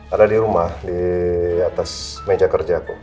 ada di rumah di atas meja kerja kok